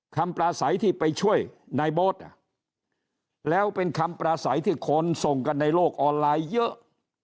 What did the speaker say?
ปลาใสที่ไปช่วยนายโบ๊ทแล้วเป็นคำปราศัยที่คนส่งกันในโลกออนไลน์เยอะ